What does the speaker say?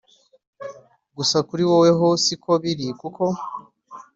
gusa kuri wowe ho siko biri kuko